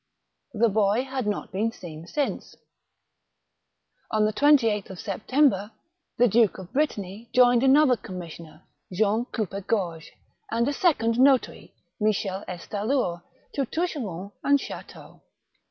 The boy had not been seen since. On the 28th September, the Duke of Brittany joined another commissioner, Jean Couppegorge, and a second notary, Michel Estallure, to Toucheronde and Chateau.